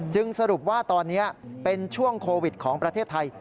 สรุปว่าตอนนี้เป็นช่วงโควิดของประเทศไทย